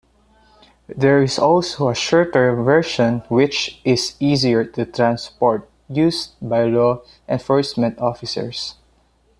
There is also a shorter version-which is easier to transport-used by law enforcement officers.